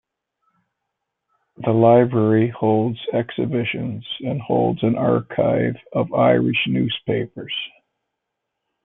The library holds exhibitions and holds an archive of Irish newspapers.